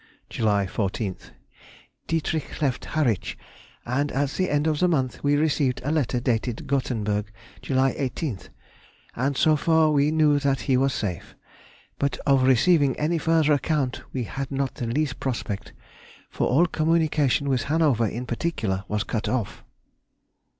July 14th.—Dietrich left Harwich, and at the end of the month we received a letter dated Gottenburg, July 18, and so far we knew that he was safe, but of receiving any further account we had not the least prospect, for all communication, with Hanover in particular, was cut off.